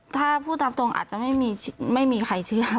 ถ้าพูดตามตรงอาจจะไม่มีใครเชื่อ